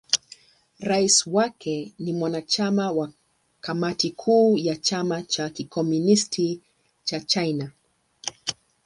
Rais wake ni mwanachama wa Kamati Kuu ya Chama cha Kikomunisti cha China.